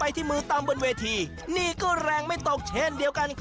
ที่มือตามบนเวทีนี่ก็แรงไม่ตกเช่นเดียวกัน